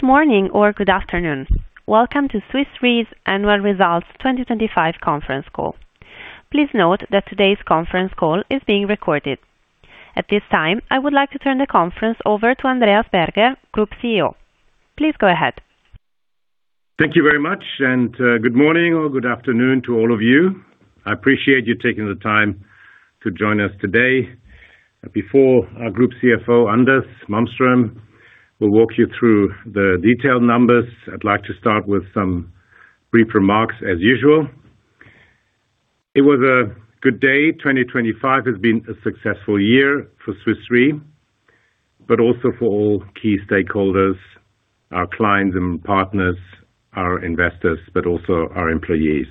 Good morning or good afternoon. Welcome to Swiss Re's Annual Results 2025 Conference Call. Please note that today's conference call is being recorded. At this time, I would like to turn the conference over to Andreas Berger, Group CEO. Please go ahead. Thank you very much, good morning or good afternoon to all of you. I appreciate you taking the time to join us today. Before our Group CFO, Anders Malmström, will walk you through the detailed numbers, I'd like to start with some brief remarks, as usual. It was a good day. 2025 has been a successful year for Swiss Re, but also for all key stakeholders, our clients and partners, our investors, but also our employees.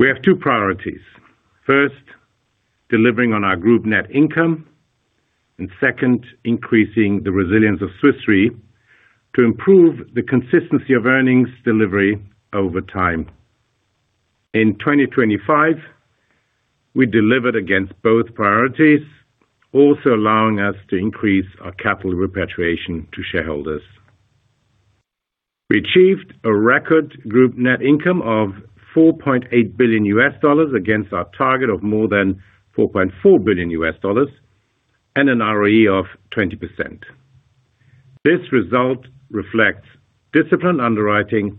We have two priorities. First, delivering on our group net income, and second, increasing the resilience of Swiss Re to improve the consistency of earnings delivery over time. In 2025, we delivered against both priorities, also allowing us to increase our capital repatriation to shareholders. We achieved a record group net income of $4.8 billion against our target of more than $4.4 billion and an ROE of 20%. This result reflects disciplined underwriting,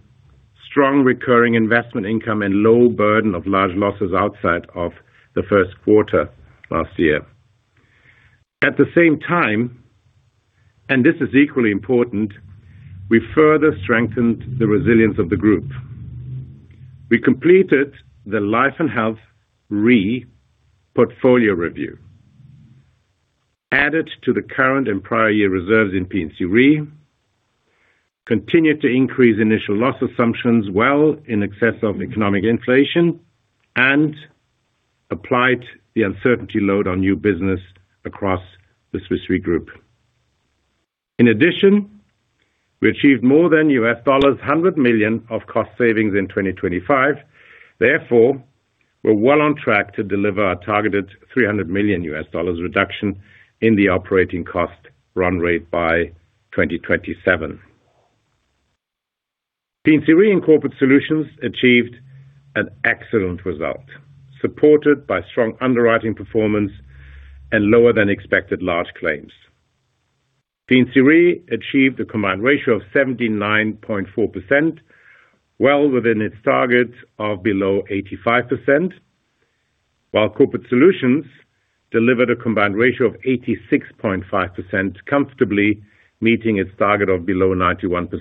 strong recurring investment income, and low burden of large losses outside of the first quarter last year. At the same time, and this is equally important, we further strengthened the resilience of the group. We completed the Life & Health Re portfolio review, added to the current and prior year reserves in P&C Re, continued to increase initial loss assumptions well in excess of economic inflation, and applied the uncertainty load on new business across the Swiss Re Group. In addition, we achieved more than $100 million of cost savings in 2025. Therefore, we're well on track to deliver our targeted $300 million reduction in the operating cost run rate by 2027. P&C Re and Corporate Solutions achieved an excellent result, supported by strong underwriting performance and lower than expected large claims. P&C Re achieved a combined ratio of 79.4%, well within its target of below 85%, while Corporate Solutions delivered a combined ratio of 86.5%, comfortably meeting its target of below 91%.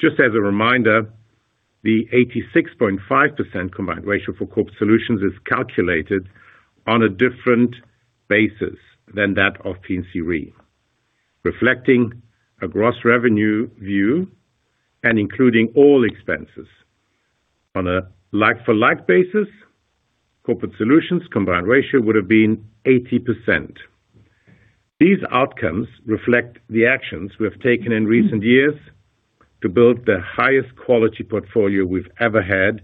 Just as a reminder, the 86.5% combined ratio for Corporate Solutions is calculated on a different basis than that of P&C Re, reflecting a gross revenue view and including all expenses. On a like-for-like basis, Corporate Solutions' combined ratio would have been 80%. These outcomes reflect the actions we have taken in recent years to build the highest quality portfolio we've ever had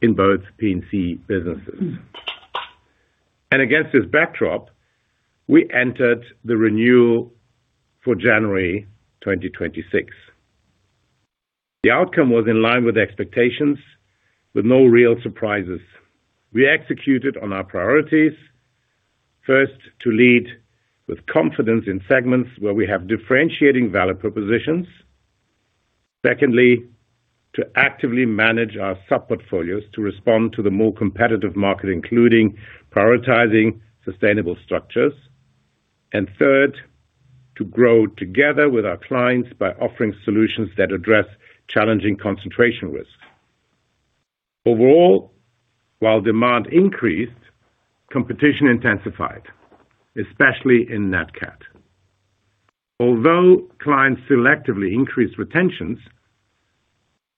in both P&C businesses. Against this backdrop, we entered the renewal for January 2026. The outcome was in line with expectations, with no real surprises. We executed on our priorities, first, to lead with confidence in segments where we have differentiating value propositions. Secondly, to actively manage our sub-portfolios to respond to the more competitive market, including prioritizing sustainable structures. Third, to grow together with our clients by offering solutions that address challenging concentration risks. Overall, while demand increased, competition intensified, especially in Nat Cat. Although clients selectively increased retentions,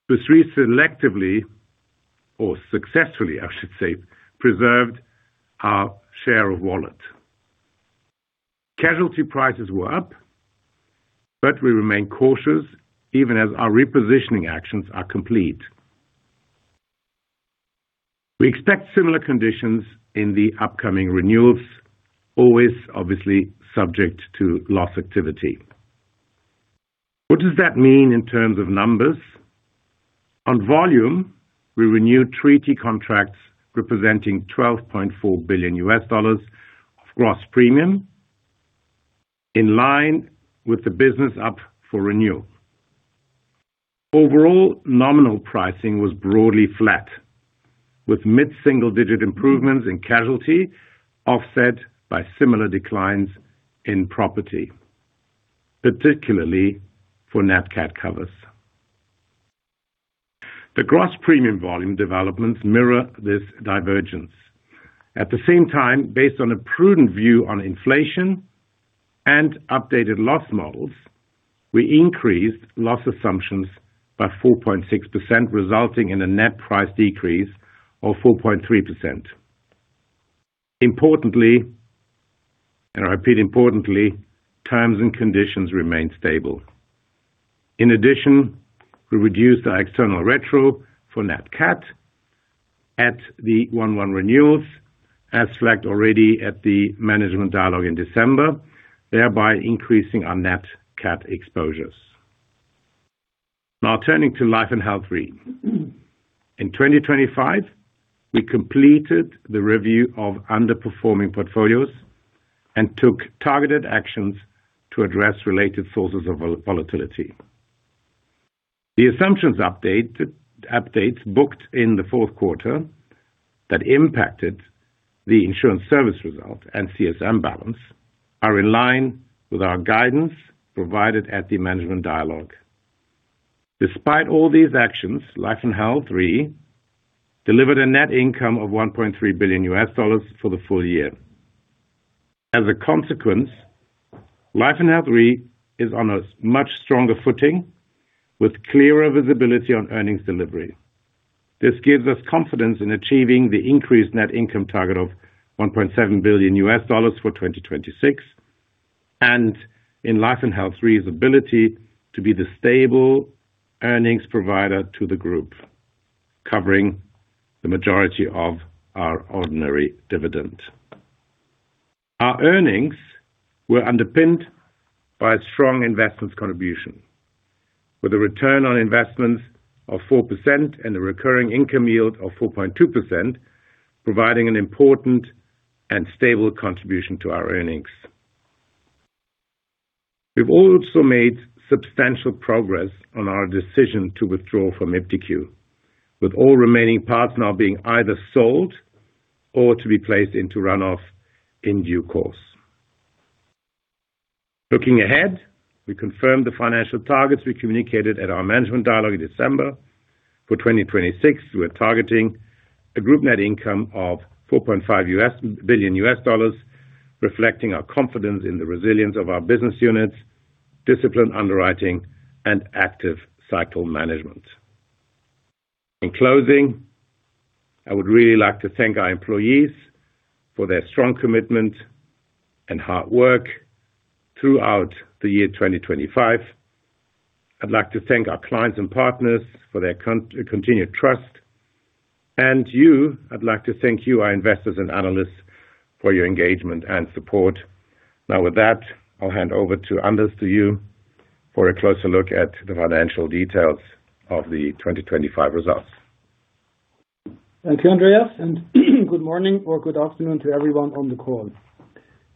the three selectively or successfully, I should say, preserved our share of wallet. Casualty prices were up, we remain cautious even as our repositioning actions are complete. We expect similar conditions in the upcoming renewals, always obviously subject to loss activity. What does that mean in terms of numbers? On volume, we renewed treaty contracts representing $12.4 billion of gross premium in line with the business up for renewal. Overall, nominal pricing was broadly flat, with mid-single-digit improvements in casualty, offset by similar declines in property, particularly for Nat Cat covers. The gross premium volume developments mirror this divergence. At the same time, based on a prudent view on inflation and updated loss models, we increased loss assumptions by 4.6%, resulting in a net price decrease of 4.3%. Importantly, I repeat, importantly, times and conditions remain stable. We reduced our external retro for Nat Cat at the 1/1 renewals, as flagged already at the management dialogue in December, thereby increasing our net cat exposures. Turning to Life & Health Re. In 2025, we completed the review of underperforming portfolios and took targeted actions to address related sources of volatility. The assumptions updates booked in the fourth quarter that impacted the insurance service result and CSM balance, are in line with our guidance provided at the management dialogue. Despite all these actions, Life & Health Re delivered a net income of $1.3 billion for the full year. Life & Health Re is on a much stronger footing, with clearer visibility on earnings delivery. This gives us confidence in achieving the increased net income target of $1.7 billion for 2026, and in Life & Health Re's ability to be the stable earnings provider to the group, covering the majority of our ordinary dividend. Our earnings were underpinned by a strong investments contribution, with a return on investment of 4% and a recurring income yield of 4.2%, providing an important and stable contribution to our earnings. We've also made substantial progress on our decision to withdraw from iptiQ, with all remaining parts now being either sold or to be placed into runoff in due course. Looking ahead, we confirm the financial targets we communicated at our management dialogue in December. For 2026, we are targeting a group net income of $4.5 billion, reflecting our confidence in the resilience of our business units, disciplined underwriting, and active cycle management. In closing, I would really like to thank our employees for their strong commitment and hard work throughout the year 2025. I'd like to thank our clients and partners for their continued trust. You, I'd like to thank you, our investors and analysts, for your engagement and support. Now, with that, I'll hand over to Anders to you for a closer look at the financial details of the 2025 results. Thank you, Andreas, and good morning or good afternoon to everyone on the call.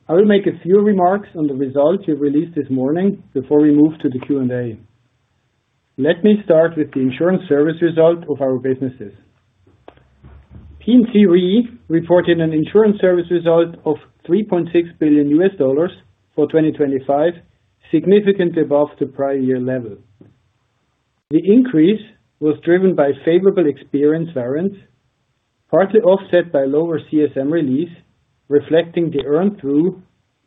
I will make a few remarks on the results we've released this morning before we move to the Q&A. Let me start with the insurance service result of our businesses. P&C Re reported an insurance service result of $3.6 billion for 2025, significantly above the prior year level. The increase was driven by favorable experience variance, partly offset by lower CSM release, reflecting the earn through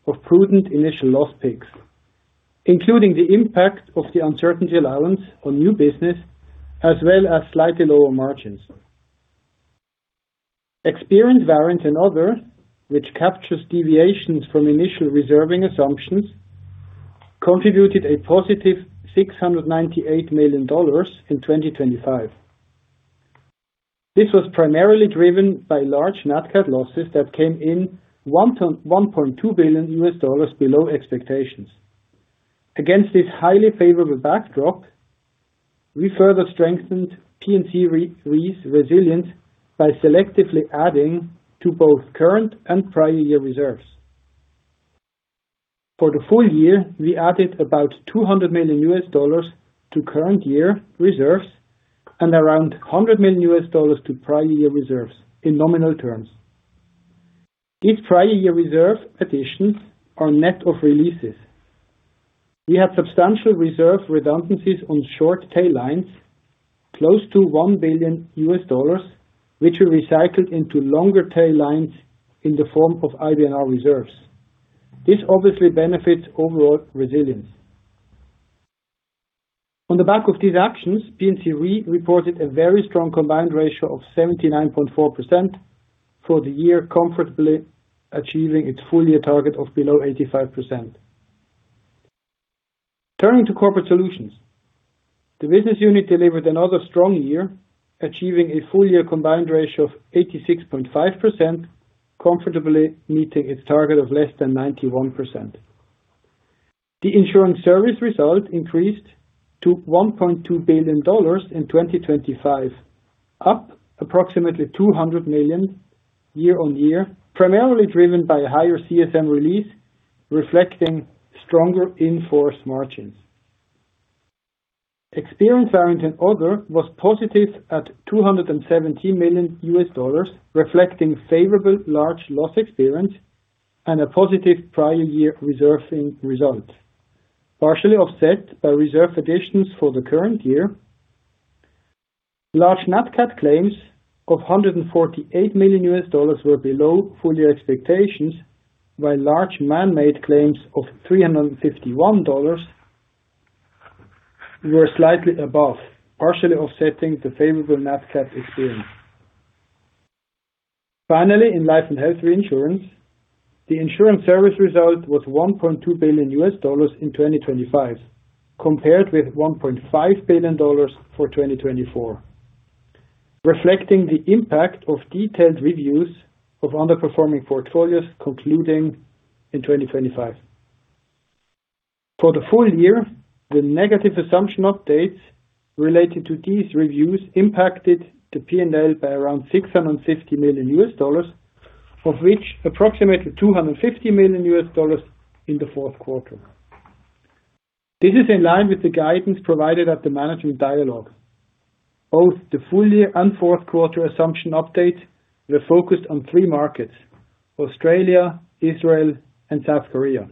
of prudent initial loss picks, including the impact of the uncertainty allowance on new business, as well as slightly lower margins. Experience variance and other, which captures deviations from initial reserving assumptions, contributed a positive $698 million in 2025. This was primarily driven by large Nat Cat losses that came in $1.1 billion-$1.2 billion below expectations. Against this highly favorable backdrop, we further strengthened P&C Re's resilience by selectively adding to both current and prior year reserves. For the full year, we added about $200 million to current year reserves and around $100 million to prior year reserves in nominal terms. These prior year reserve additions are net of releases. We have substantial reserve redundancies on short tail lines, close to $1 billion, which we recycled into longer tail lines in the form of IBNR reserves. This obviously benefits overall resilience. On the back of these actions, P&C Re reported a very strong combined ratio of 79.4% for the year, comfortably achieving its full year target of below 85%. Turning to Corporate Solutions. The business unit delivered another strong year, achieving a full year combined ratio of 86.5%, comfortably meeting its target of less than 91%. The insurance service result increased to $1.2 billion in 2025, up approximately $200 million year-over-year, primarily driven by a higher CSM release, reflecting stronger in-force margins. Experience variance and other was positive at $217 million, reflecting favorable large loss experience and a positive prior year reserving result, partially offset by reserve additions for the current year. Large Nat Cat claims of $148 million were below full year expectations, while large man-made claims of $351 were slightly above, partially offsetting the favorable Nat Cat experience. In Life & Health Reinsurance, the insurance service result was $1.2 billion in 2025, compared with $1.5 billion for 2024, reflecting the impact of detailed reviews of underperforming portfolios concluding in 2025. For the full year, the negative assumption updates related to these reviews impacted the PNL by around $650 million, of which approximately $250 million in the fourth quarter. This is in line with the guidance provided at the management dialogue. Both the full year and fourth quarter assumption updates were focused on three markets, Australia, Israel, and South Korea.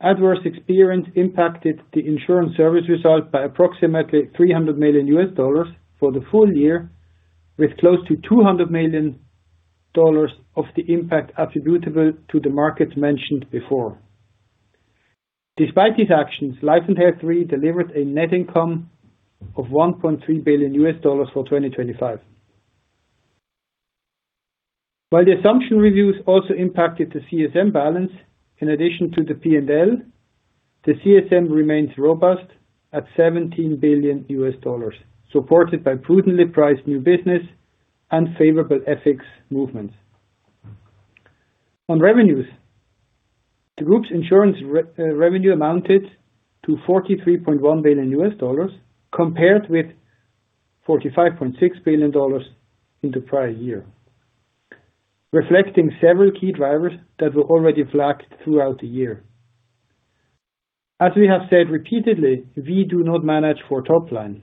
Adverse experience impacted the insurance service result by approximately $300 million for the full year, with close to $200 million of the impact attributable to the markets mentioned before. Despite these actions, Life & Health Re delivered a net income of $1.3 billion for 2025. While the assumption reviews also impacted the CSM balance, in addition to the P&L, the CSM remains robust at $17 billion, supported by prudently priced new business and favorable lapse movements. On revenues, the group's insurance revenue amounted to $43.1 billion, compared with $45.6 billion in the prior year, reflecting several key drivers that were already flagged throughout the year. As we have said repeatedly, we do not manage for top-line.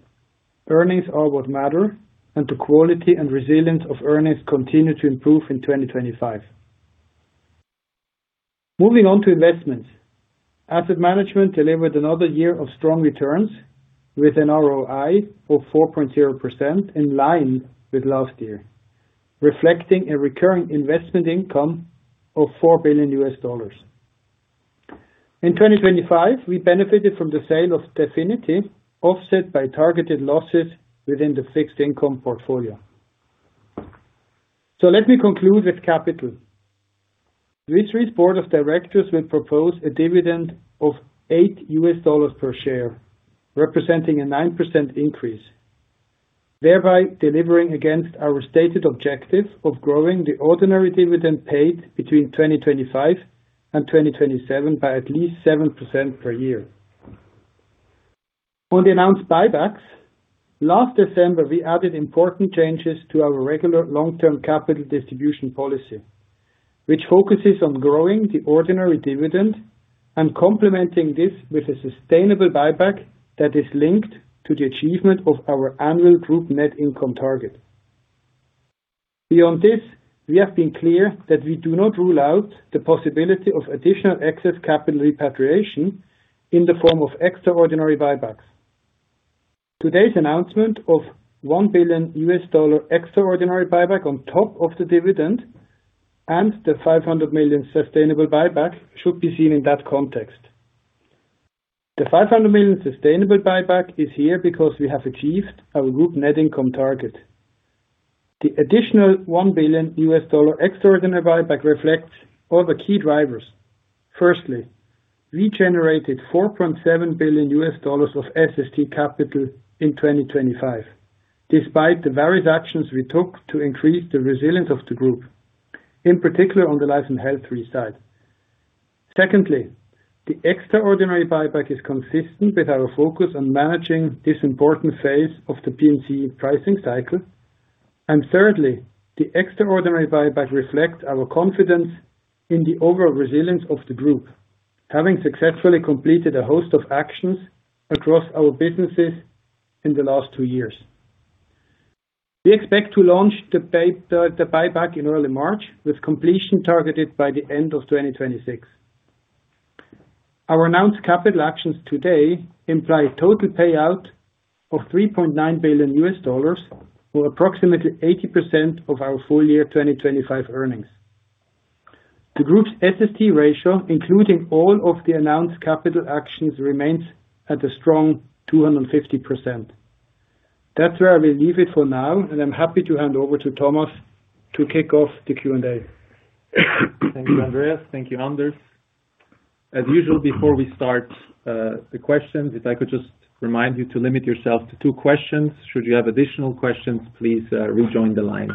Earnings are what matter, and the quality and resilience of earnings continued to improve in 2025. Moving on to investments. Asset management delivered another year of strong returns with an ROI of 4.0%, in line with last year, reflecting a recurring investment income of $4 billion. In 2025, we benefited from the sale of Definity, offset by targeted losses within the fixed income portfolio. Let me conclude with capital. Swiss Re's board of directors will propose a dividend of $8 per share, representing a 9% increase, thereby delivering against our stated objective of growing the ordinary dividend paid between 2025 and 2027 by at least 7% per year. On the announced buybacks, last December, we added important changes to our regular long-term capital distribution policy, which focuses on growing the ordinary dividend and complementing this with a sustainable buyback that is linked to the achievement of our annual group net income target. Beyond this, we have been clear that we do not rule out the possibility of additional excess capital repatriation in the form of extraordinary buybacks. Today's announcement of $1 billion extraordinary buyback on top of the dividend, and the $500 million sustainable buyback should be seen in that context . The $500 million sustainable buyback is here because we have achieved our group net income target. The additional $1 billion extraordinary buyback reflects all the key drivers. We generated $4.7 billion of SST capital in 2025, despite the various actions we took to increase the resilience of the group, in particular on the Life & Health Re side. The extraordinary buyback is consistent with our focus on managing this important phase of the P&C pricing cycle. Thirdly, the extraordinary buyback reflects our confidence in the overall resilience of the group, having successfully completed a host of actions across our businesses in the last two years. We expect to launch the buyback in early March, with completion targeted by the end of 2026. Our announced capital actions today imply total payout of $3.9 billion, or approximately 80% of our full year 2025 earnings. The group's SST ratio, including all of the announced capital actions, remains at a strong 250%. That's where I will leave it for now, and I'm happy to hand over to Thomas to kick off the Q&A. Thank you, Andreas. Thank you, Anders. As usual, before we start, the questions, if I could just remind you to limit yourself to two questions. Should you have additional questions, please, rejoin the line.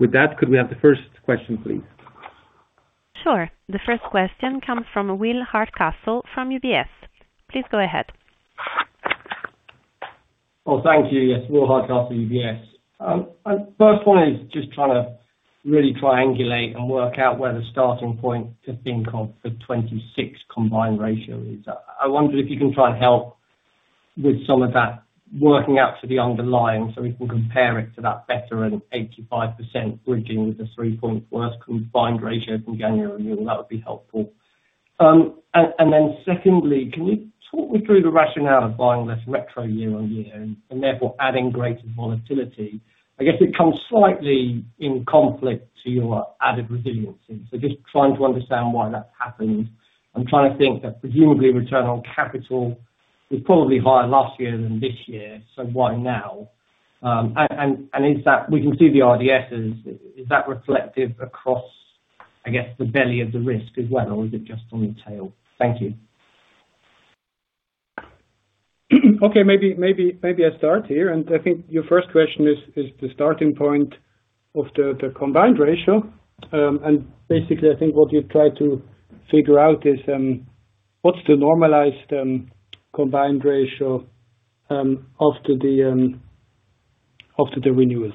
With that, could we have the first question, please? Sure. The first question comes from Will Hardcastle from UBS. Please go ahead. Well, thank you. Yes, Will Hardcastle, UBS. First one is just trying to really triangulate and work out where the starting point to think of the 26 combined ratio is. I wonder if you can try and help with some of that working out to the underlying, so we can compare it to that better and 85% bridging with the three point worse combined ratio from January annual. That would be helpful. Then secondly, can you talk me through the rationale of buying less retrocession year on year, and therefore adding greater volatility? I guess it comes slightly in conflict to your added resiliency. Just trying to understand why that's happened. I'm trying to think that presumably return on capital was probably higher last year than this year, so why now? Is that we can see the RDSs. Is that reflective across, I guess, the belly of the risk as well, or is it just on the tail? Thank you. Okay, maybe I start here. I think your first question is the starting point of the combined ratio. Basically, I think what you've tried to figure out is, what's the normalized combined ratio after the renewals?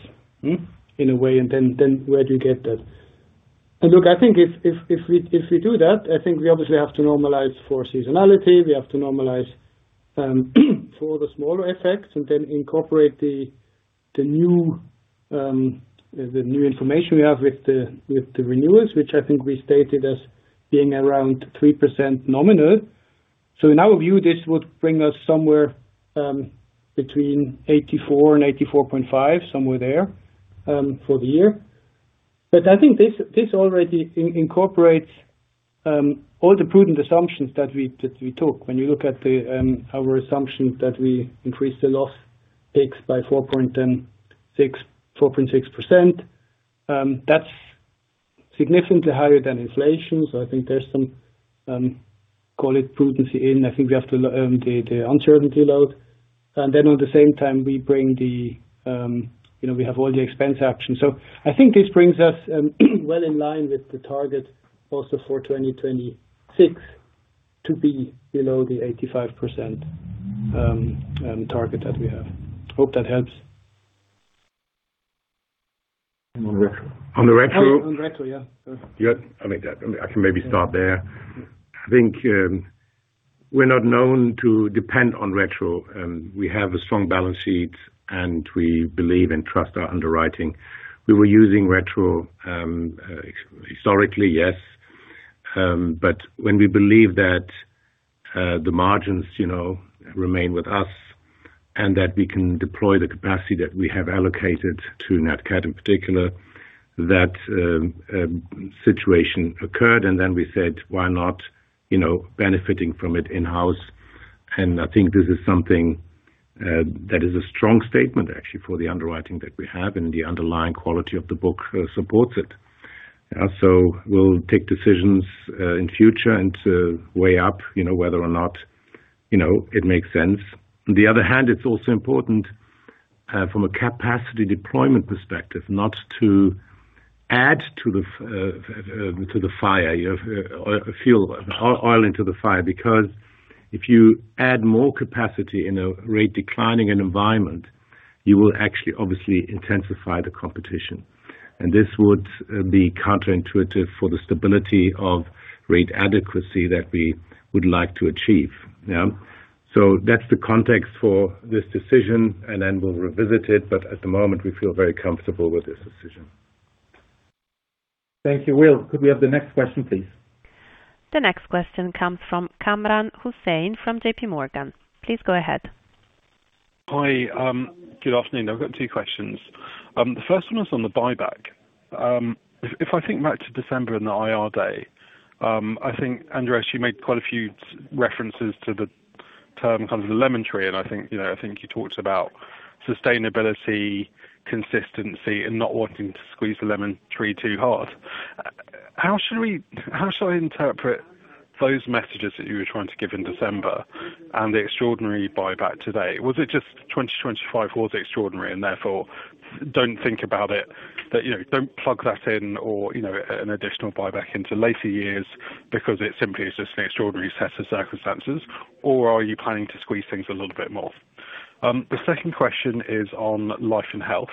In a way, then where do you get that? Look, I think if we do that, I think we obviously have to normalize for seasonality, we have to normalize for the smaller effects, and then incorporate the new information we have with the renewals, which I think we stated as being around 3% nominal. In our view, this would bring us somewhere between 84% and 84.5%, somewhere there for the year. I think this already incorporates all the prudent assumptions that we took. When you look at the our assumption that we increased the loss takes by 4.6%. That's significantly higher than inflation, so I think there's some call it prudency in. I think we have to the uncertainty load, and then at the same time, we bring the, you know, we have all the expense options. I think this brings us, well in line with the target also for 2026 to be below the 85% target that we have. Hope that helps. On the retrocession. On the retrocession? On retrocession, yeah. Yeah. I think I can maybe start there. I think, we're not known to depend on retro, and we have a strong balance sheet, and we believe and trust our underwriting. We were using retro, historically, yes. When we believe that, the margins, you know, remain with us, and that we can deploy the capacity that we have allocated to Nat Cat, in particular, that situation occurred, and then we said: Why not, you know, benefiting from it in-house? I think this is something that is a strong statement, actually, for the underwriting that we have, and the underlying quality of the book supports it. We'll take decisions in future and to weigh up, you know, whether or not, you know, it makes sense. On the other hand, it's also important, from a capacity deployment perspective, not to add to the fire, or fuel oil into the fire, because if you add more capacity in a rate declining environment, you will actually obviously intensify the competition. This would be counterintuitive for the stability of rate adequacy that we would like to achieve. Yeah. That's the context for this decision, and then we'll revisit it, but at the moment, we feel very comfortable with this decision. Thank you. Will, could we have the next question, please? The next question comes from Kamran Hossain, from JPMorgan. Please go ahead. Hi. Good afternoon. I've got two questions. The first one is on the buyback. If I think back to December in the IR day, I think, Andreas, you made quite a few references to the term the lemon tree, and I think, you know, I think you talked about sustainability, consistency, and not wanting to squeeze the lemon tree too hard. How should I interpret those messages that you were trying to give in December and the extraordinary buyback today? Was it just 2025 was extraordinary, and therefore, don't think about it, that, you know, don't plug that in, or, you know, an additional buyback into later years because it simply is just an extraordinary set of circumstances? Or are you planning to squeeze things a little bit more? The second question is on Life & Health.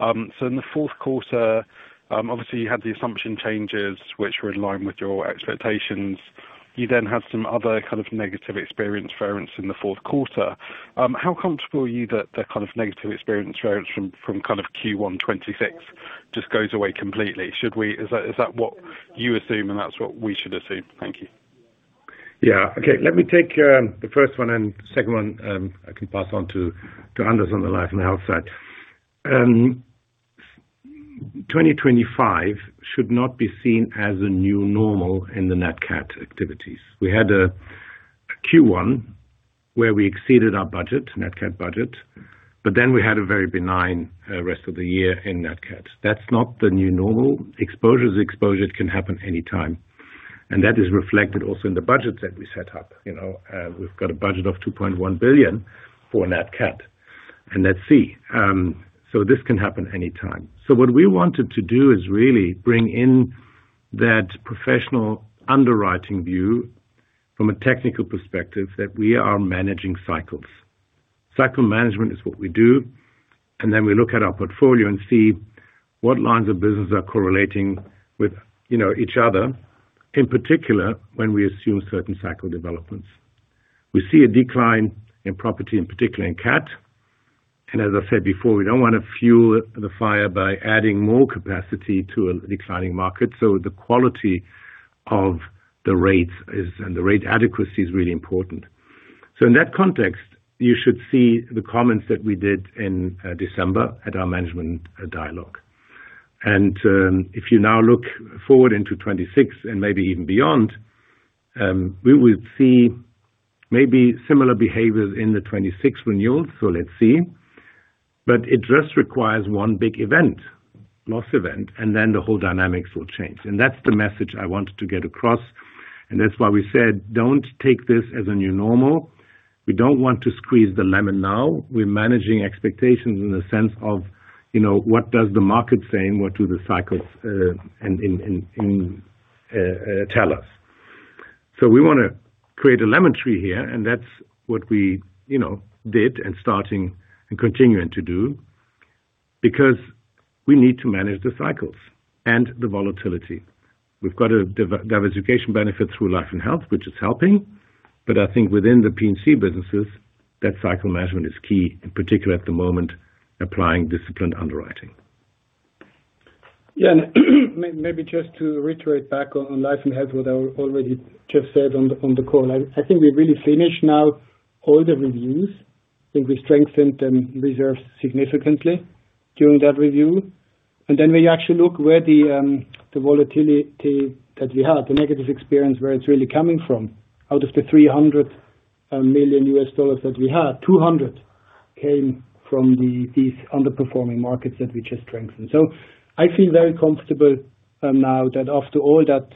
In the fourth quarter, obviously, you had the assumption changes, which were in line with your expectations. You then had some other kind of negative experience variance in the fourth quarter. How comfortable are you that the kind of negative experience variance from kind of Q1 2026 just goes away completely? Is that what you assume, and that's what we should assume? Thank you. Yeah. Okay, let me take the first one, and the second one, I can pass on to Anders on the Life & Health side. 2025 should not be seen as a new normal in the Nat Cat activities. We had a Q1 where we exceeded our budget, Nat Cat budget, but then we had a very benign rest of the year in Nat Cat. That's not the new normal. Exposures can happen anytime, and that is reflected also in the budget that we set up. You know, we've got a budget of $2.1 billion for Nat Cat, and let's see. This can happen anytime. What we wanted to do is really bring in that professional underwriting view from a technical perspective, that we are managing cycles. Cycle management is what we do. Then we look at our portfolio and see what lines of business are correlating with, you know, each other, in particular, when we assume certain cycle developments. We see a decline in property, in particular in Cat. As I said before, we don't want to fuel the fire by adding more capacity to a declining market, the quality of the rates is, and the rate adequacy is really important. In that context, you should see the comments that we did in December at our management dialogue. If you now look forward into 2026 and maybe even beyond, we will see maybe similar behaviors in the 2026 renewals. Let's see. It just requires one big event, loss event, and then the whole dynamics will change. That's the message I wanted to get across, and that's why we said, "Don't take this as a new normal." We don't want to squeeze the lemon now. We're managing expectations in the sense of, you know, what does the market saying? What do the cycles and tell us? We want to create a lemon tree here, and that's what we, you know, did and starting and continuing to do, because we need to manage the cycles and the volatility. We've got a diversification benefit through Life & Health, which is helping, but I think within the P&C businesses, that cycle management is key, in particular at the moment, applying disciplined underwriting. Yeah. Maybe just to reiterate back on Life & Health, what I already just said on the call. I think we really finished now all the reviews. I think we strengthened the reserves significantly during that review. We actually look where the volatility that we had, the negative experience, where it's really coming from. Out of the $300 million that we had, $200 came from these underperforming markets that we just strengthened. I feel very comfortable now that after all that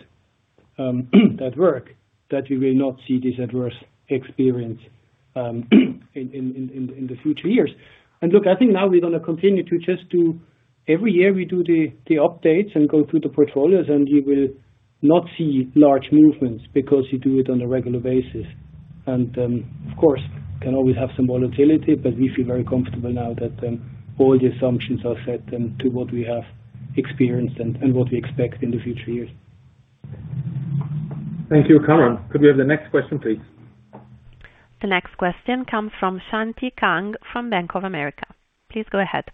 work, that we will not see this adverse experience in the future years. Look, I think now we're going to continue to just do every year we do the updates and go through the portfolios, and you will not see large movements because you do it on a regular basis. Of course, can always have some volatility, but we feel very comfortable now that all the assumptions are set to what we have experienced and what we expect in the future years. Thank you. Kamran, could we have the next question, please? The next question comes from Shanti Kang from Bank of America. Please go ahead.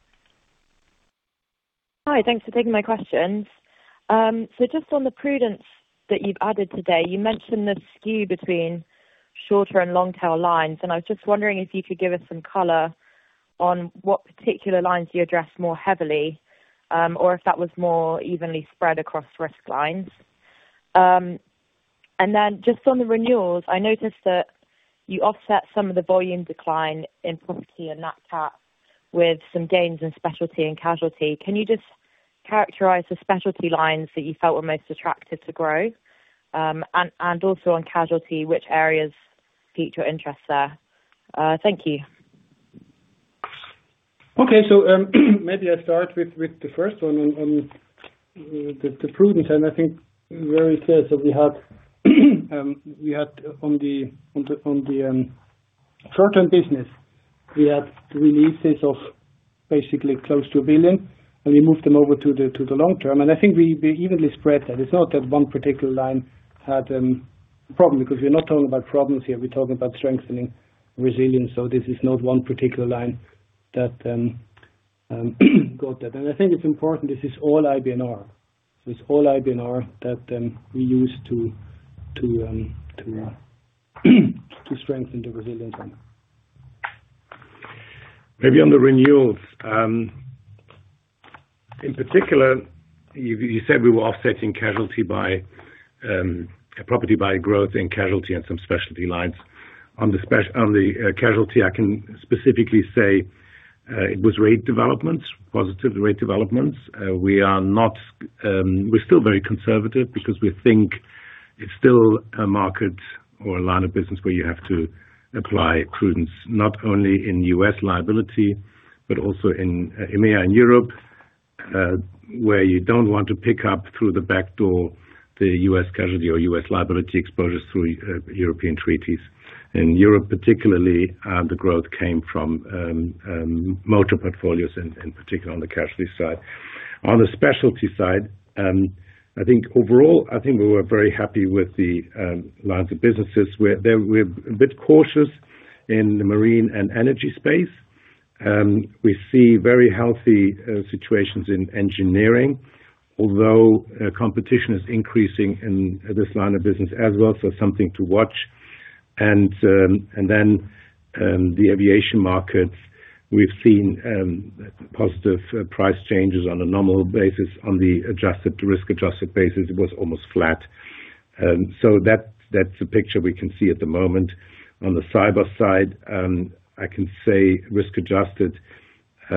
Hi, thanks for taking my questions. Just on the prudence that you've added today, you mentioned the skew between shorter and long tail lines, and I was just wondering if you could give us some color on what particular lines you address more heavily, or if that was more evenly spread across risk lines? Then just on the renewals, I noticed that you offset some of the volume decline in property and Nat Cat with some gains in Specialty and Casualty. Can you just characterize the Specialty lines that you felt were most attractive to grow? And also on Casualty, which areas peak your interest there? Thank you. Okay. maybe I start with the first one on the prudence. I think where it says that we had on the short-term business, we had releases of basically close to $1 billion, and we moved them over to the long term. I think we evenly spread that. It's not that one particular line had problem, because we're not talking about problems here, we're talking about strengthening resilience. This is not one particular line that got that. I think it's important, this is all IBNR. It's all IBNR that we use to strengthen the resilience. Maybe on the renewals. In particular, you said we were offsetting casualty by property by growth and casualty and some specialty lines. On the casualty, I can specifically say it was rate developments, positive rate developments. We're still very conservative because we think it's still a market or a line of business where you have to apply prudence, not only in U.S. liability, but also in EMEA and Europe, where you don't want to pick up through the back door, the U.S. casualty or U.S. liability exposures through European treaties. In Europe, particularly, the growth came from motor portfolios, in particular on the casualty side. On the specialty side, I think overall, I think we were very happy with the lines of businesses, where there we're a bit cautious in the marine and energy space. We see very healthy situations in engineering, although competition is increasing in this line of business as well, so something to watch. The aviation markets, we've seen positive price changes on a normal basis. On the adjusted, risk-adjusted basis, it was almost flat. That's the picture we can see at the moment. On the cyber side, I can say risk adjusted,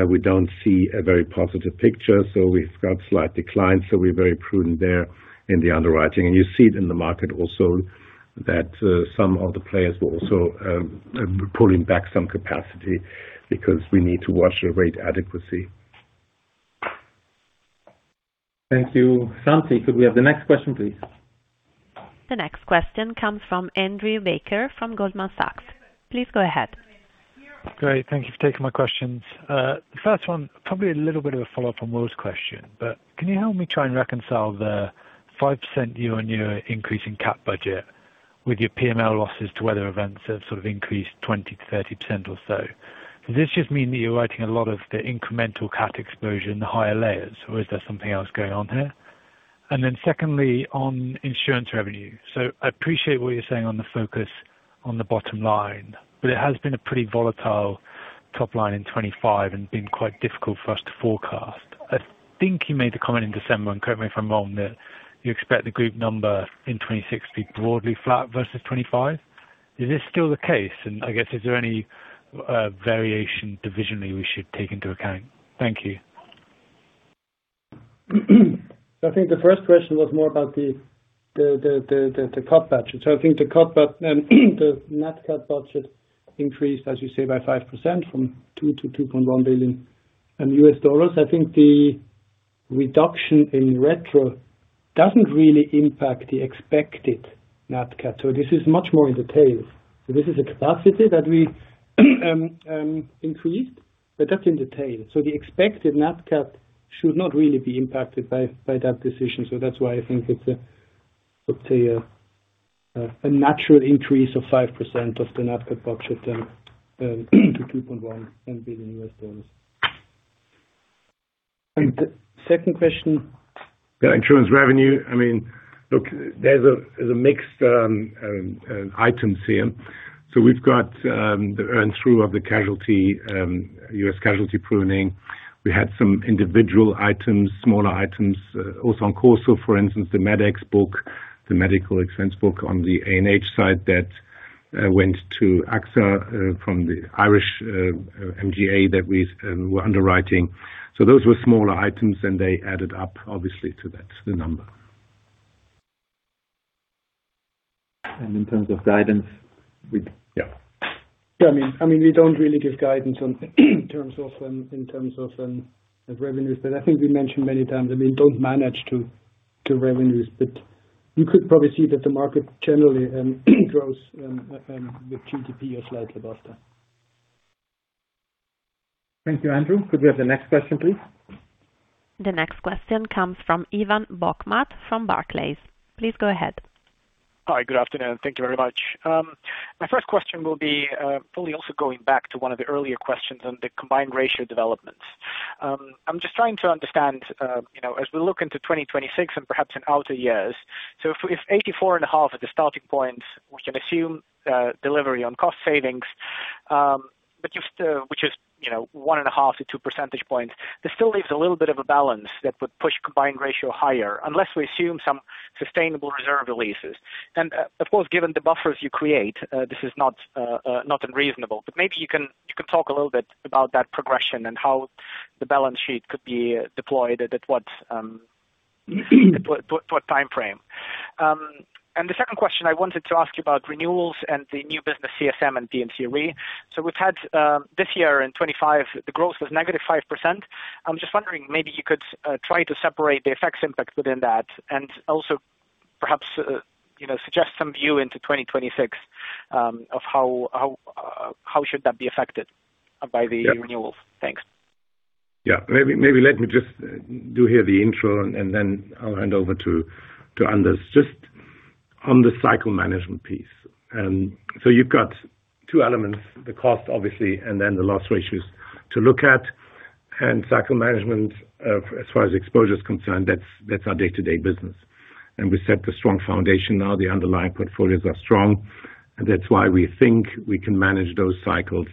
we don't see a very positive picture, so we've got slight declines, so we're very prudent there in the underwriting. You see it in the market also, that, some of the players were also, pulling back some capacity because we need to watch the rate adequacy. Thank you, Shanti Kang. Could we have the next question, please? The next question comes from Andrew Baker, from Goldman Sachs. Please go ahead. Great. Thank you for taking my questions. The first one, probably a little bit of a follow-up on Will's question, can you help me try and reconcile the 5% year-over-year increase in cat budget with your PML losses to weather events that have sort of increased 20%-30% or so? Does this just mean that you're writing a lot of the incremental cat exposure in the higher layers, or is there something else going on here? Secondly, on insurance revenue. I appreciate what you're saying on the focus on the bottom line, but it has been a pretty volatile top-line in 25 and been quite difficult for us to forecast. I think you made the comment in December, and correct me if I'm wrong, that you expect the group number in 26 to be broadly flat versus 25? Is this still the case? I guess, is there any variation divisionally we should take into account? Thank you. I think the first question was more about the cut budget. I think the net cut budget increased, as you say, by 5%, from $2 billion to $2.1 billion. I think the reduction in retrocession doesn't really impact the expected net cut. This is much more in the tail. This is a capacity that we increased, but that's in the tail. The expected net cut should not really be impacted by that decision. That's why I think it's a, let's say, a natural increase of 5% of the net cut budget to $2.1 billion. The second question? The insurance revenue. I mean, look, there's a mixed items here. We've got the earn through of the casualty, U.S. casualty pruning. We had some individual items, smaller items, also on course, so for instance, the Medex book, the medical expense book on the A&H side, that went to AXA from the Irish annuity, that we were underwriting. Those were smaller items, and they added up, obviously, to that, the number. In terms of guidance, yeah. Yeah, I mean, we don't really give guidance on in terms of, in terms of the revenues. I think we mentioned many times, I mean, don't manage to revenues, you could probably see that the market generally grows with GDP or slightly faster. Thank you, Andrew. Could we have the next question, please? The next question comes from Ivan Bokhmat from Barclays. Please go ahead. Hi, good afternoon. Thank you very much. My first question will be, probably also going back to one of the earlier questions on the combined ratio developments. I'm just trying to understand, you know, as we look into 2026 and perhaps in outer years. If 84.5 are the starting points, we can assume delivery on cost savings, but you've still, which is, you know, 1.5 to two percentage points. This still leaves a little bit of a balance that would push combined ratio higher, unless we assume some sustainable reserve releases. Of course, given the buffers you create, this is not unreasonable. Maybe you can talk a little bit about that progression and how the balance sheet could be deployed, at what timeframe? The second question, I wanted to ask you about renewals and the new business CSM and DMC re. We've had, this year in 25, the growth was negative 5%. I'm just wondering, maybe you could try to separate the effects impact within that, and also perhaps, you know, suggest some view into 2026, of how should that be affected by the renewals? Yeah. Thanks. Maybe let me just do here the intro, and then I'll hand over to Anders. Just on the cycle management piece. You've got two elements, the cost, obviously, and then the loss ratios to look at. Cycle management, as far as exposure is concerned, that's our day-to-day business. We set the strong foundation. The underlying portfolios are strong, and that's why we think we can manage those cycles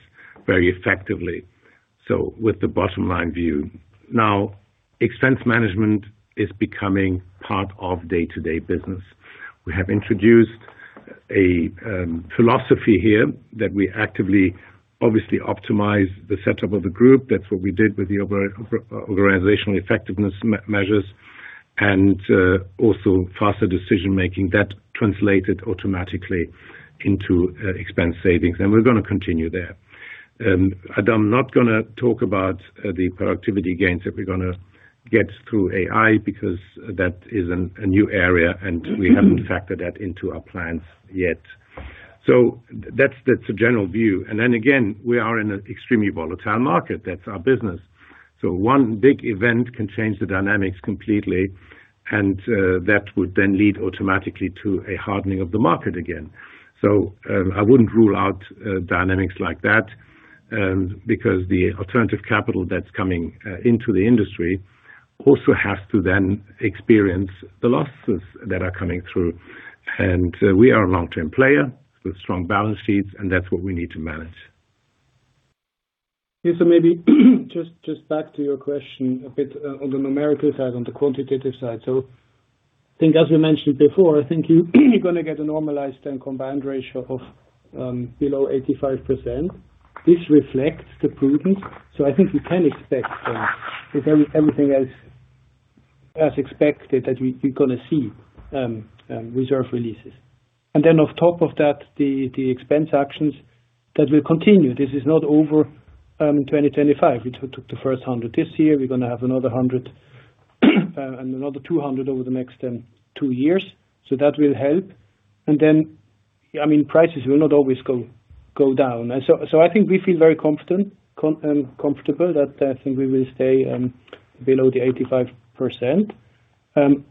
very effectively. With the bottom line view. Expense management is becoming part of day-to-day business. We have introduced a philosophy here that we actively, obviously optimize the setup of the group. That's what we did with the organizational effectiveness measures, and also faster decision-making that translated automatically into expense savings. We're going to continue there. I'm not going to talk about the productivity gains that we're going to get through AI, because that is a new area, and we haven't factored that into our plans yet. That's, that's a general view. Again, we are in an extremely volatile market. That's our business. One big event can change the dynamics completely, and that would then lead automatically to a hardening of the market again. I wouldn't rule out dynamics like that, because the alternative capital that's coming into the industry also has to then experience the losses that are coming through. We are a long-term player with strong balance sheets, and that's what we need to manage. Maybe, just back to your question on the numerical side, on the quantitative side. As we mentioned before, I think you are going to get a normalized combined ratio of below 85%. This reflects the prudence. I think you can expect, if everything else as expected, that we're going to see reserve releases. On top of that, the expense actions that will continue. This is not over in 2025. We took the first 100 this year. We're going to have another 100, and another 200 over the next two years. That will help. I mean, prices will not always go down. I think we feel very confident, comfortable that I think we will stay below the 85%.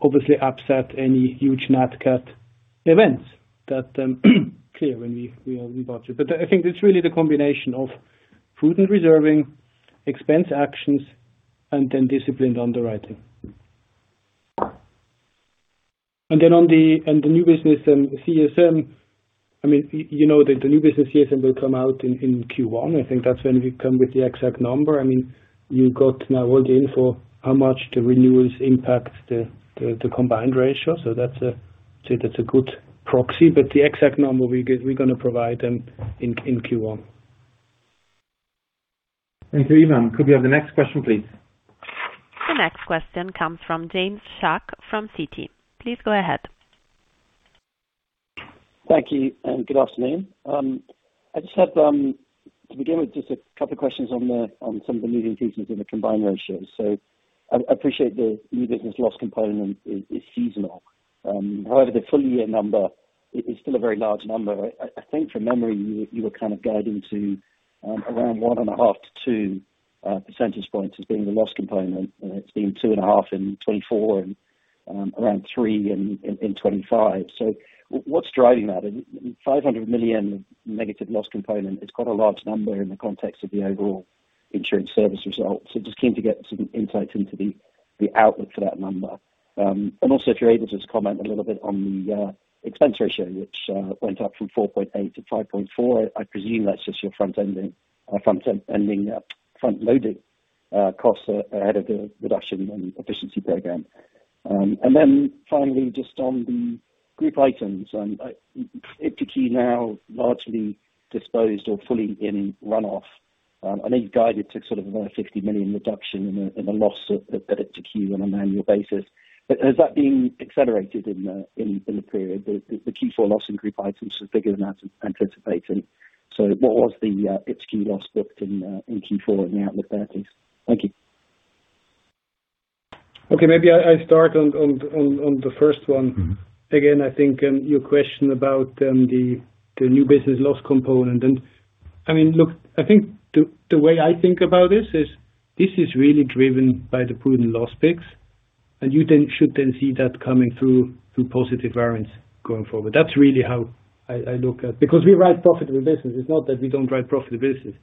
obviously, upset any huge Nat Cat events that clear when we budget. I think that's really the combination of prudent reserving, expense actions, and then disciplined underwriting. On the new business and CSM, you know that the new business CSM will come out in Q1. I think that's when we come with the exact number. you got now all the info, how much the renewals impact the combined ratio. That's a, say, that's a good proxy, but the exact number we're going to provide in Q1. Thank you, Ivan. Could we have the next question, please? The next question comes from James Shuck from Citi. Please go ahead. Thank you. Good afternoon. I just had to begin with, just a couple of questions on the, on some of the moving pieces in the combined ratios. I appreciate the new business loss component is seasonal. The full year number is still a very large number. I think from memory, you were kind of guiding to around 1.5 to two percentage points as being the loss component. It's been 2.5 in 2024 and around three in 2025. What's driving that? $500 million negative loss component is quite a large number in the context of the overall insurance service results. Just keen to get some insight into the outlook for that number. Also, if you're able to just comment a little bit on the expense ratio, which went up from 4.8% to 5.4%. I presume that's just your front-loading costs ahead of the reduction and efficiency program. Finally, just on the group items, and iptiQ now largely disposed or fully in runoff. I think guided to sort of about a $50 million reduction in a loss of iptiQ on an annual basis. Has that been accelerated in the period? The Q4 loss in group items was bigger than I anticipated. What was the iptiQ loss booked in Q4 and the outlook there, please? Thank you. Okay, maybe I start on the first one. Mm-hmm. I think, your question about, the new business loss component. I mean, look, I think the way I think about this is, this is really driven by the prudent loss picks, and you then should then see that coming through positive variants going forward. That's really how I look at. We write profitable business, it's not that we don't write profitable business.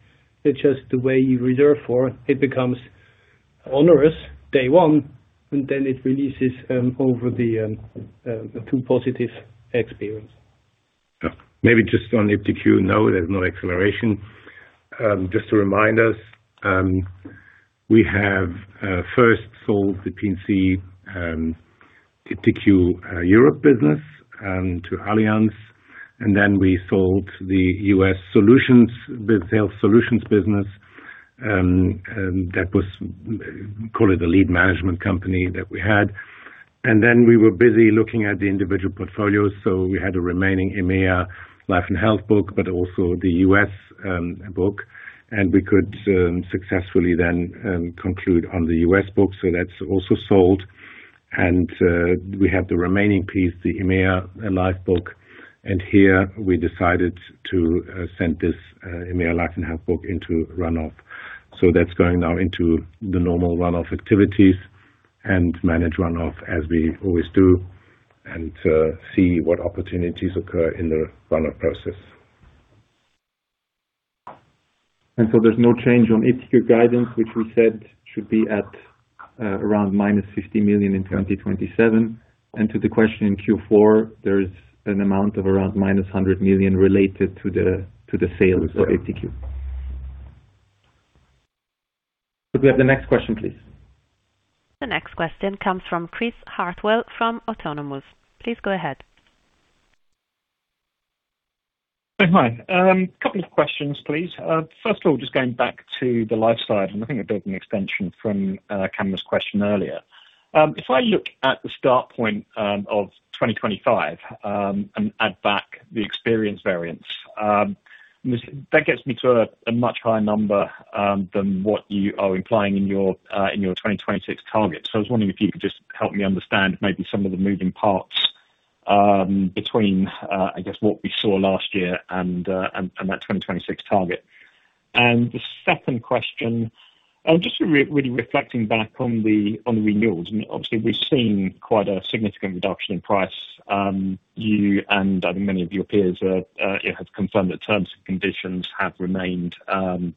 It's just the way you reserve for it becomes onerous, day one, and then it releases, over the, through positive experience. Yeah. Maybe just on iptiQ, no, there's no acceleration. Just to remind us, we have first sold the P&C iptiQ Europe business to Allianz, then we sold the US Solutions, the Health Solutions business, that was, call it a lead management company that we had. We were busy looking at the individual portfolios, so we had a remaining EMEA Life & Health book, but also the US book, and we could successfully then conclude on the US book. That's also sold. We have the remaining piece, the EMEA Life book, here we decided to send this EMEA Life & Health book into runoff. That's going now into the normal runoff activities and manage runoff as we always do, see what opportunities occur in the runoff process. There's no change on iptiQ guidance, which we said should be at around -$50 million in 2027. To the question in Q4, there is an amount of around -$100 million related to the sales of iptiQ. Could we have the next question, please? The next question comes from Chris Hartwell, from Autonomous. Please go ahead. Hi. A couple of questions, please. First of all, just going back to the life side, I think a building extension from Kamran Hossain's question earlier. If I look at the start point of 2025 and add back the experience variance, that gets me to a much higher number than what you are implying in your 2026 target. I was wondering if you could just help me understand maybe some of the moving parts between I guess what we saw last year and that 2026 target. The second question, just really reflecting back on the renewals, obviously we've seen quite a significant reduction in price. You and, I think many of your peers have confirmed that terms and conditions have remained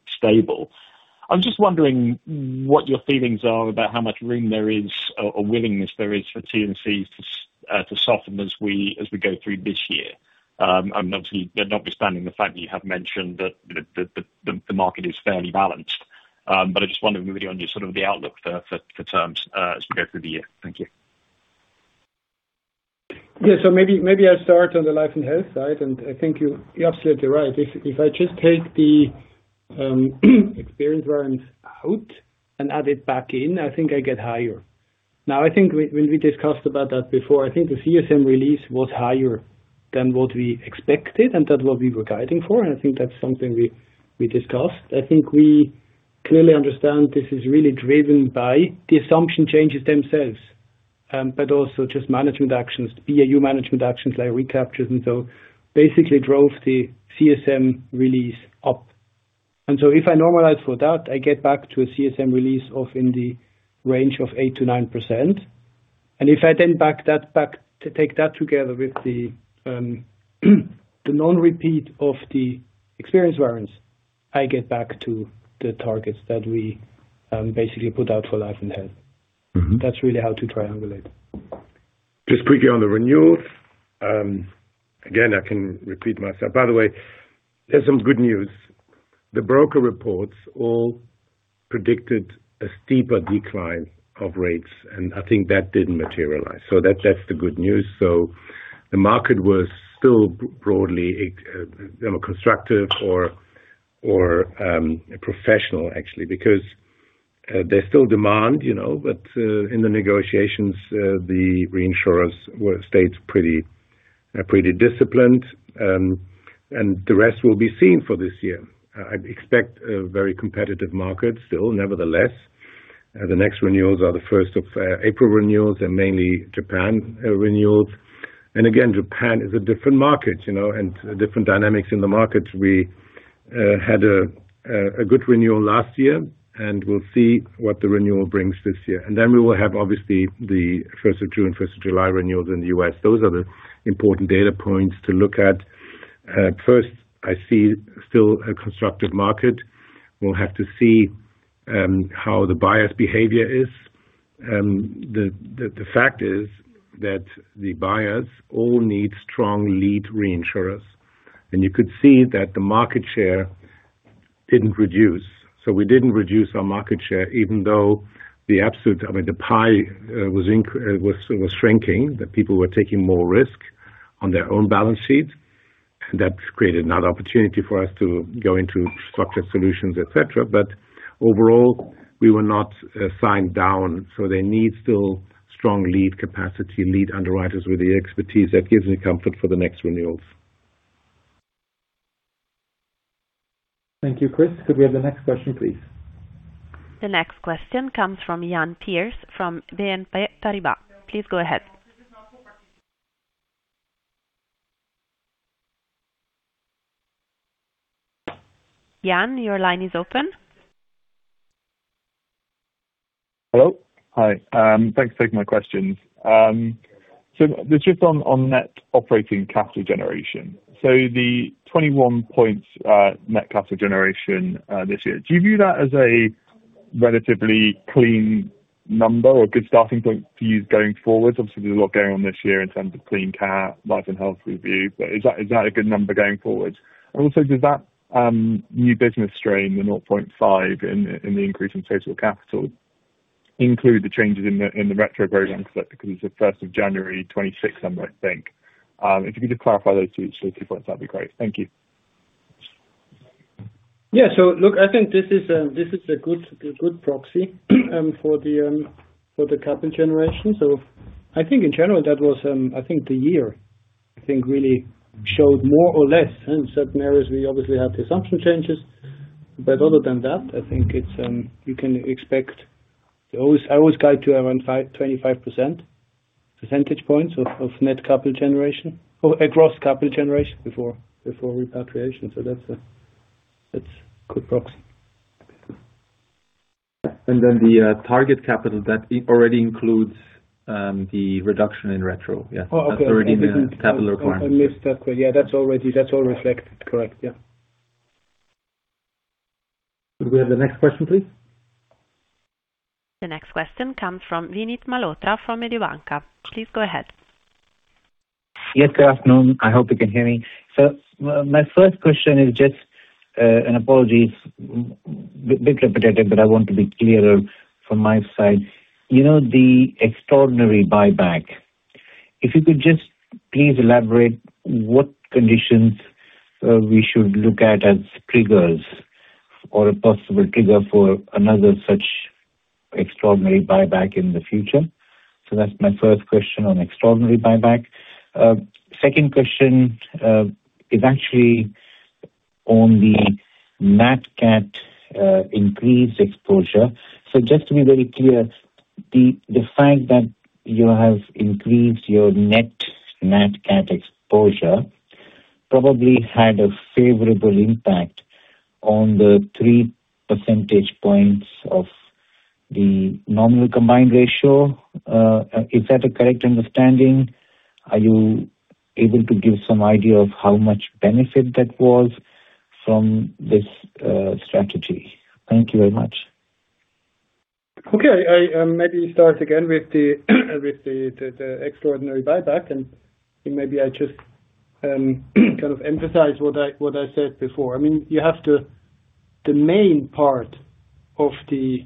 stable. I'm just wondering what your feelings are about how much room there is, or willingness there is for CMCs to soften as we go through this year. Obviously, notwithstanding the fact that you have mentioned that the market is fairly balanced. I just wanted to move on your sort of the outlook for terms as we go through the year. Thank you. Yeah. Maybe, maybe I'll start on the Life & Health side, and I think you're absolutely right. If, if I just take the experience variance out and add it back in, I think I get higher. I think we, when we discussed about that before, I think the CSM release was higher than what we expected, and that what we were guiding for, and I think that's something we discussed. I think we clearly understand this is really driven by the assumption changes themselves, but also just management actions, BAU management actions like recaptures, basically drove the CSM release up. If I normalize for that, I get back to a CSM release of in the range of 8% to 9%. If I then back that back, to take that together with the non-repeat of the experience variance, I get back to the targets that we basically put out for Life & Health. That's really how to triangulate. Just quickly on the renewals. Again, I can repeat myself. By the way, there's some good news. The broker reports predicted a steeper decline of rates, and I think that didn't materialize. That's the good news. The market was still broadly, you know, constructive or professional, actually, because there's still demand, you know, but in the negotiations, the reinsurers were stayed pretty disciplined, and the rest will be seen for this year. I'd expect a very competitive market still, nevertheless. The next renewals are the first of April renewals and mainly Japan renewals. Again, Japan is a different market, you know, and different dynamics in the market. We had a good renewal last year, and we'll see what the renewal brings this year. We will have, obviously, the first of June, first of July renewals in the U.S. Those are the important data points to look at. First, I see still a constructive market. We'll have to see how the buyer's behavior is. The fact is that the buyers all need strong lead reinsurers, and you could see that the market share didn't reduce. We didn't reduce our market share, even though the absolute I mean, the pie was shrinking, that people were taking more risk on their own balance sheet. That created another opportunity for us to go into structured solutions, et cetera. Overall, we were not signed down, they need still strong lead capacity, lead underwriters with the expertise. That gives me comfort for the next renewals. Thank you, Chris. Could we have the next question, please? The next question comes from Iain Pearce from BNP Paribas. Please go ahead. Iain, your line is open. Hello. Hi, thanks for taking my questions. Just on net operating capital generation. The 21 points net capital generation this year, do you view that as a relatively clean number or a good starting point to use going forward? Obviously, there's a lot going on this year in terms of clean cap, Life & Health Review, but is that a good number going forward? Also, does that new business strain, the 0.5 in the increase in total capital, include the changes in the retrocession programs? That because it's the 1st of January, 2026 number, I think. If you could just clarify those two points, that'd be great. Thank you. look, I think this is a good proxy for the capital generation. I think in general, that was the year really showed more or less. In certain areas, we obviously had the assumption changes, but other than that, I think it's, you can expect I always guide to around 5.25 percentage points of net capital generation or across capital generation before repatriation. That's a good proxy. The target capital, that already includes, the reduction in retrocession. Yeah. Oh, okay. That's already in the capital requirement. I missed that one. Yeah, that's already, that's all reflected, correct. Yeah. Could we have the next question, please? The next question comes from Vinit Malhotra from Mediobanca. Please go ahead. Yes, good afternoon. I hope you can hear me. My first question is just, and apologies, bit repetitive, but I want to be clearer from my side. You know, the extraordinary buyback, if you could just please elaborate what conditions we should look at as triggers or a possible trigger for another such extraordinary buyback in the future? That's my first question on extraordinary buyback. Second question is actually on the Nat Cat increased exposure. Just to be very clear, the fact that you have increased your net Nat Cat exposure probably had a favorable impact on the three percentage points of the normal combined ratio. Is that a correct understanding? Are you able to give some idea of how much benefit that was from this strategy? Thank you very much. Okay. I maybe start again with the extraordinary buyback, and maybe I just kind of emphasize what I, what I said before. I mean, the main part of the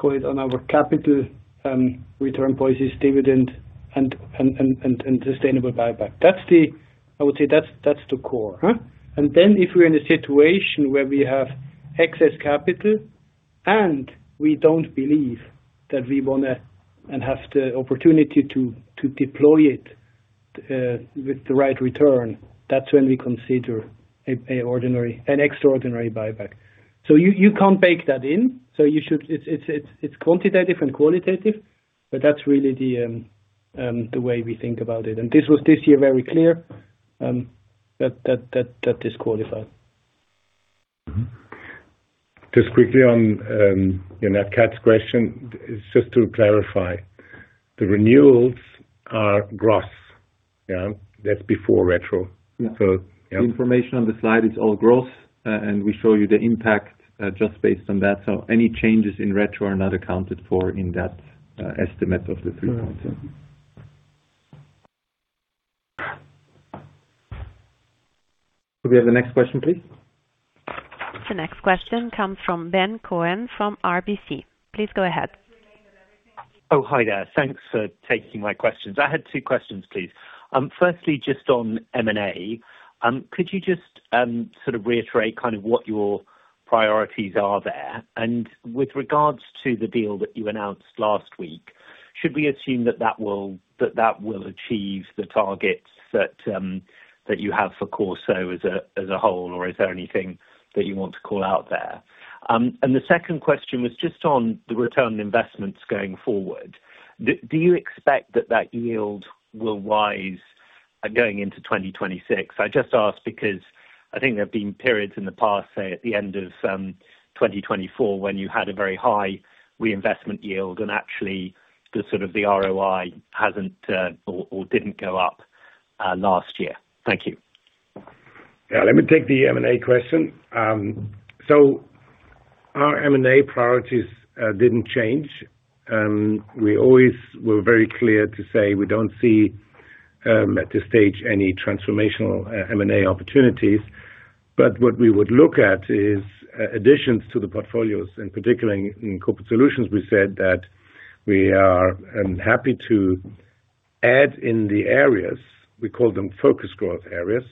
call it on our capital return point is dividend and sustainable buyback. I would say, that's the core. If we're in a situation where we have excess capital, and we don't believe that we want to and have the opportunity to deploy it with the right return, that's when we consider An extraordinary buyback. You, you can't bake that in. It's quantitative and qualitative, but that's really the way we think about it. This was, this year, very clear that is qualified. Just quickly on Nat Cat's question, just to clarify, the renewals are gross. Yeah, that's before retrocession. Yeah. Yeah. The information on the slide is all gross, and we show you the impact just based on that. Any changes in retrocession are not accounted for in that estimate of the three points. Could we have the next question, please? The next question comes from Ben Cohen from RBC. Please go ahead. Hi there. Thanks for taking my questions. I had two questions, please. Firstly, just on M&A, could you just sort of reiterate kind of what your priorities are there? With regards to the deal that you announced last week, should we assume that that will achieve the targets that you have for Corso as a whole, or is there anything that you want to call out there? The second question was just on the return on investments going forward. Do you expect that that yield will rise going into 2026? I just asked because I think there have been periods in the past, say, at the end of, 2024, when you had a very high reinvestment yield and actually the sort of the ROI hasn't, or didn't go up, last year. Thank you. Let me take the M&A question. Our M&A priorities didn't change. We always were very clear to say we don't see at this stage, any transformational M&A opportunities. What we would look at is additions to the portfolios, and particularly in Corporate Solutions. We said that we are happy to add in the areas, we call them focus growth areas,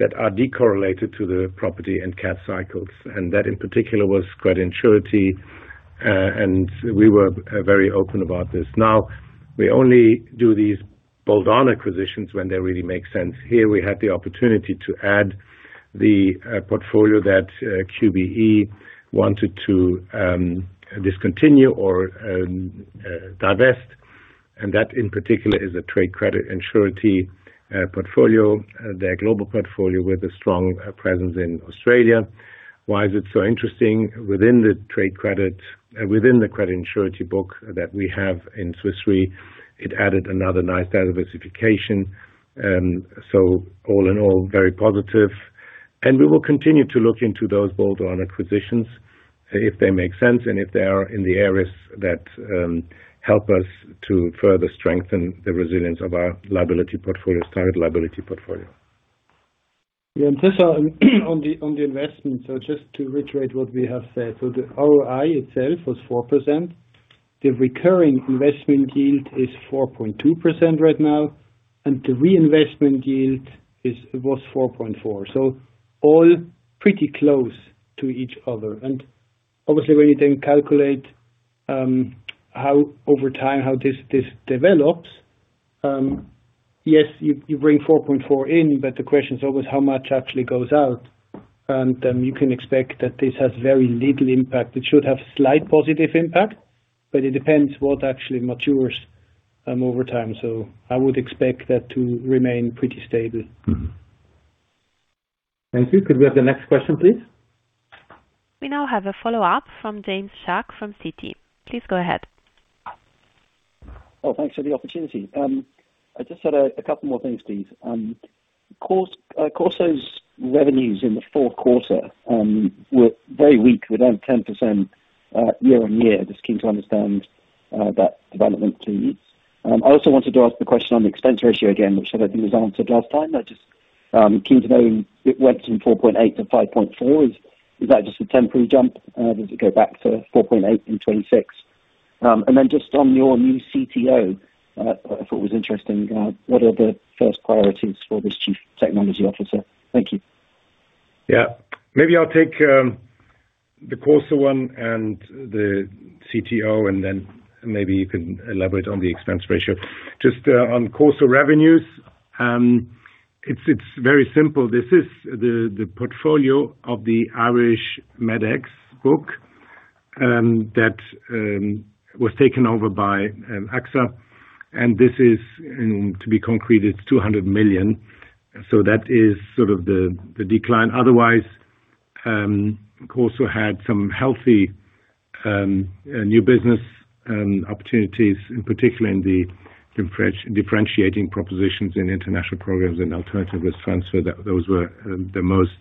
that are decorrelated to the property and Nat Cat cycles, and that, in particular, was credit and surety, and we were very open about this. We only do these bolt-on acquisitions when they really make sense. Here, we had the opportunity to add the portfolio that QBE wanted to discontinue or divest, and that, in particular, is a trade credit and surety portfolio, their global portfolio, with a strong presence in Australia. Why is it so interesting? Within the trade credit, within the credit surety book that we have in Swiss Re, it added another nice diversification, all in all, very positive. We will continue to look into those bold on acquisitions if they make sense and if they are in the areas that help us to further strengthen the resilience of our liability portfolio, current liability portfolio. Yeah, just on the, on the investment, just to reiterate what we have said. The ROI itself was 4%. The recurring investment yield is 4.2% right now, and the reinvestment yield is, was 4.4%. All pretty close to each other. Obviously, when you then calculate, how, over time, how this develops, yes, you bring 4.4% in, but the question is always how much actually goes out? Then you can expect that this has very little impact. It should have slight positive impact, but it depends what actually matures over time. I would expect that to remain pretty stable. Thank you. Could we have the next question, please? We now have a follow-up from James Shuck from Citi. Please go ahead. Thanks for the opportunity. I just had a couple more things, please. Corso's revenues in the fourth quarter were very weak, were down 10% year-over-year. Just keen to understand that development, please. I also wanted to ask the question on the expense ratio again, which I don't think was answered last time. I just keen to know it went from 4.8 to 5.4. Is that just a temporary jump? Does it go back to 4.8 in 2026? Then just on your new CTO, I thought it was interesting, what are the first priorities for this chief technology officer? Thank you. Maybe I'll take the Corso one and the CTO, and then maybe you can elaborate on the expense ratio. On Corso revenues, it's very simple. This is the portfolio of the Irish Medex book that was taken over by AXA, and this is to be concreted, $200 million. That is sort of the decline. Corso had some healthy new business opportunities, in particular in the differentiating propositions in international programs and alternative risk transfer. Those were the most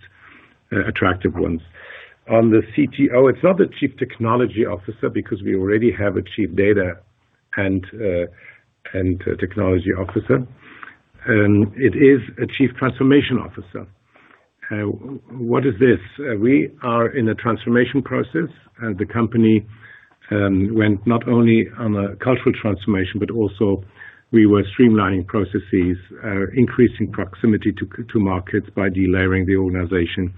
attractive ones. On the CTO, it's not a chief technology officer because we already have a chief data and technology officer. It is a chief transformation officer. What is this? We are in a transformation process, the company went not only on a cultural transformation, but also we were streamlining processes, increasing proximity to markets by delayering the organization.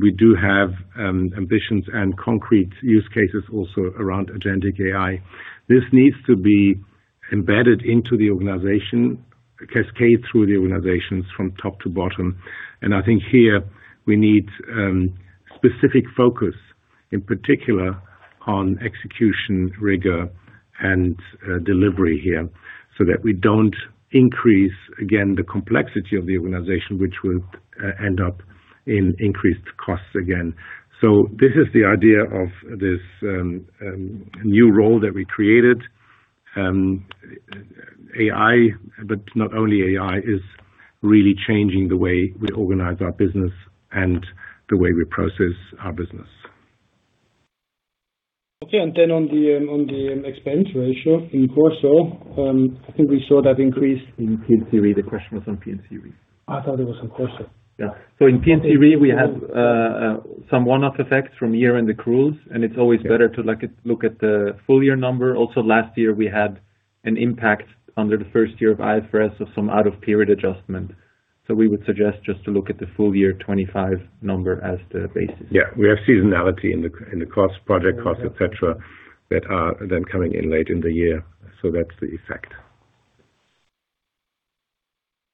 We do have ambitions and concrete use cases also around Agentic AI. This needs to be embedded into the organization, cascade through the organizations from top to bottom, and I think here we need specific focus, in particular on execution, rigor, and delivery here, so that we don't increase, again, the complexity of the organization, which will end up in increased costs again. This is the idea of this new role that we created. AI, but not only AI, is really changing the way we organize our business and the way we process our business. Okay, and then on the, on the expense ratio in Corso, I think we saw that increase. In P&C, the question was on P&C. I thought it was on Corso. In P&C, we have some one-off effects from year-end accruals, it's always better to like, look at the full-year number. Last year, we had an impact under the first year of IFRS of some out-of-period adjustment. We would suggest just to look at the full-year 2025 number as the basis. Yeah, we have seasonality in the, in the cost, project cost, et cetera, that are then coming in late in the year. That's the effect.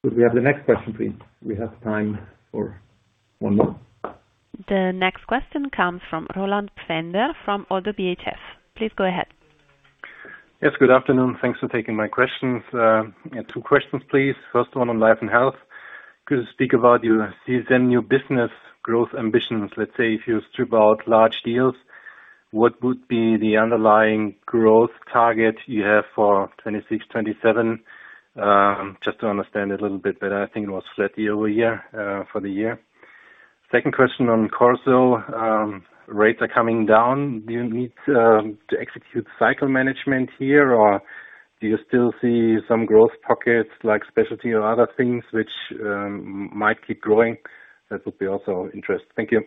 Could we have the next question, please? We have time for one more. The next question comes from Roland Pfänder from ODDO BHF. Please go ahead. Yes, good afternoon. Thanks for taking my questions. I have two questions, please. First one on Life & Health. Could you speak about your CSM, new business growth ambitions? Let's say, if you strip out large deals, what would be the underlying growth target you have for 2026, 2027? Just to understand it a little bit better. I think it was flat year-over-year for the year. Second question on Corporate Solutions, rates are coming down. Do you need to execute cycle management here, or do you still see some growth pockets like specialty or other things which might keep growing? That would be also interesting. Thank you.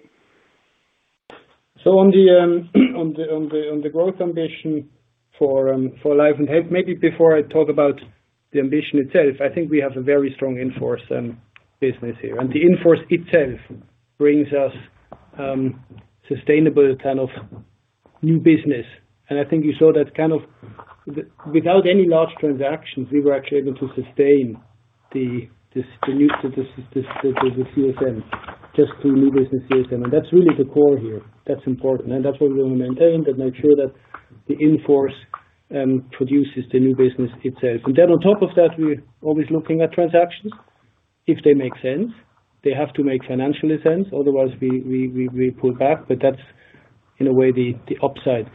On the growth ambition for Life & Health, maybe before I talk about the ambition itself, I think we have a very strong in-force business here. The in-force itself brings us sustainable ton of new business. I think you saw that kind of, without any large transactions, we were actually able to sustain the new CSM, just through new business CSM. That's really the core here. That's important, and that's what we want to maintain, but make sure that the in-force produces the new business itself. On top of that, we're always looking at transactions. If they make sense, they have to make financially sense, otherwise, we pull back, but that's in a way, the upside.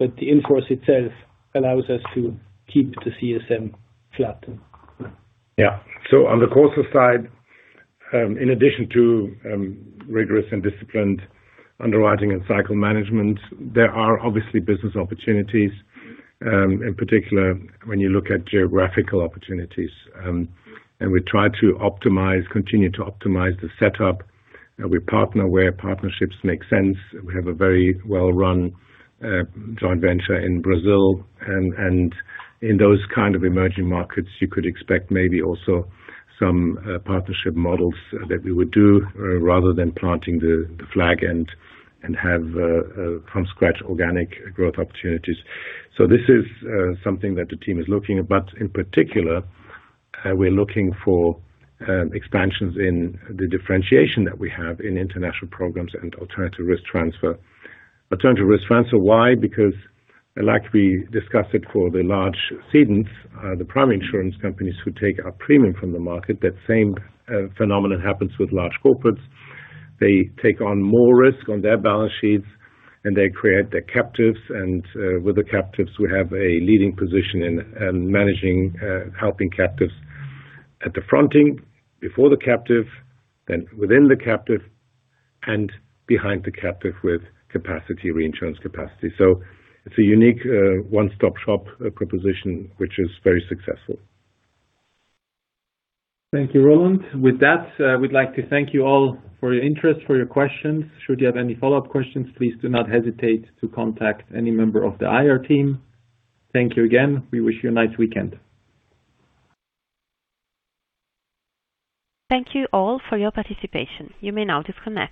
The in-force itself allows us to keep the CSM flat. Yeah. On the Corporate Solutions side, in addition to rigorous and disciplined underwriting and cycle management, there are obviously business opportunities, in particular, when you look at geographical opportunities. We try to optimize, continue to optimize the setup, and we partner where partnerships make sense. We have a very well run joint venture in Brazil. In those kind of emerging markets, you could expect maybe also some partnership models that we would do, rather than planting the flag and have from scratch organic growth opportunities. This is something that the team is looking at, but in particular, we're looking for expansions in the differentiation that we have in international programs and alternative risk transfer. Alternative risk transfer, why? Like we discussed it for the large cedants, the primary insurance companies who take our premium from the market, that same phenomenon happens with large corporates. They take on more risk on their balance sheets, and they create their captives. With the captives, we have a leading position in managing, helping captives at the fronting, before the captive, then within the captive, and behind the captive with capacity, reinsurance capacity. It's a unique, one-stop shop proposition, which is very successful. Thank you, Roland. With that, we'd like to thank you all for your interest, for your questions. Should you have any follow-up questions, please do not hesitate to contact any member of the IR team. Thank you again. We wish you a nice weekend. Thank you all for your participation. You may now disconnect.